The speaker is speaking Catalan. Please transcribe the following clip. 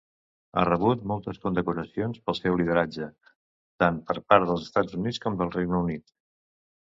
Ha rebut moltes condecoracions pel seu lideratge, tant per part dels Estats Units com del Regne Unit.